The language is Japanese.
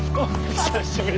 久しぶり！